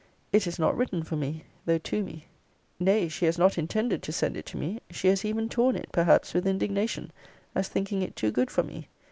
It is not written for me, though to me. Nay, she has not intended to send it to me: she has even torn it, perhaps with indignation, as thinking it too good for me.